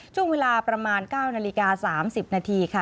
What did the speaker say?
ช่วงเวลาประมาณ๙นาฬิกา๓๐นาทีค่ะ